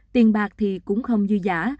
tiền bạc thì cũng không dư giã